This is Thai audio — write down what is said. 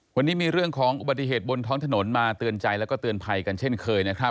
วันนี้มีเรื่องของอุบัติเหตุบนท้องถนนมาเตือนใจแล้วก็เตือนภัยกันเช่นเคยนะครับ